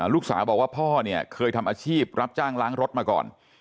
ลูกสาวบอกว่าพ่อเนี่ยเคยทำอาชีพรับจ้างล้างรถมาก่อน